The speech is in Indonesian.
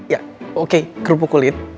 ya oke kerupuk kulit